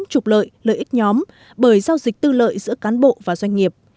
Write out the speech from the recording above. trục lợi lợi ích nhóm bởi giao dịch tư lợi giữa cán bộ và doanh nghiệp